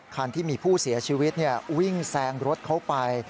คันที่มีผู้เสียชีวิตวิ่งแซงรถเขาไป